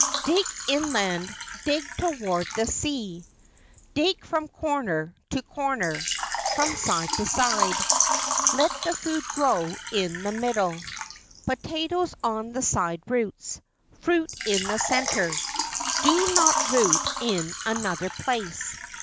Dig inland, dig toward the sea; Dig from corner to corner, From side to side; Let the food grow in the middle, Potatoes on the side roots, Fruit in the centre. Do not root in another place!